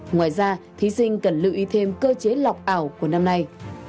ngoài ra thí sinh cần lưu ý thêm cơ chế lọc ảo của năm nay